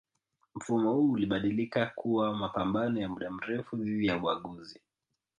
mfumo huu ulibadilika kuwa mapambano ya muda mrefu dhidi ya ubaguzi